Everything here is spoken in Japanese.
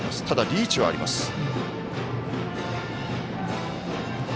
ただ、リーチはあります。